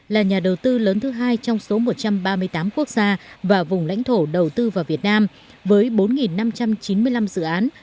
là nhà đầu tư lớn thứ hai trong số một trăm ba mươi tám quốc gia và vùng lãnh thổ đầu tư vào việt nam với bốn năm trăm chín mươi năm dự án